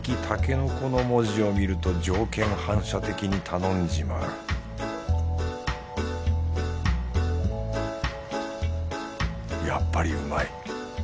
たけのこの文字を見ると条件反射的に頼んじまうやっぱりうまい。